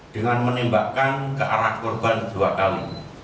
dengan menembakkan ke arah korban dua kali